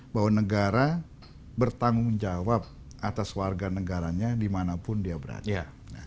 bahwa negara bertanggung jawab atas warga negaranya dimanapun dia berada